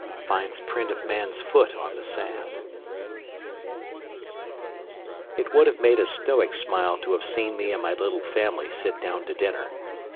FINDS PRINT OF MAN'S FOOT ON THE SAND It would have made a Stoic smile to have seen me and my little family sit down to dinner.